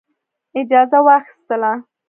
اجازه واخیستله.